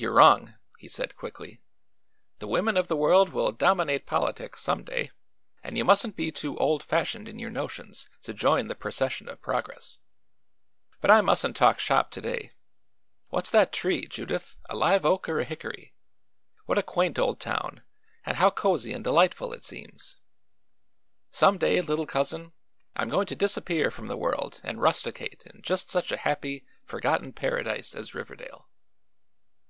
"You're wrong," he said quickly. "The women of the world will dominate politics, some day, and you mustn't be too old fashioned in your notions to join the procession of progress. But I mustn't talk shop to day. What's that tree, Judith; a live oak or a hickory? What a quaint old town, and how cosy and delightful it seems! Some day, little Cousin, I'm going to disappear from the world and rusticate in just such a happy, forgotten paradise as Riverdale."